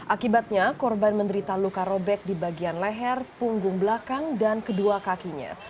akibatnya korban menderita luka robek di bagian leher punggung belakang dan kedua kakinya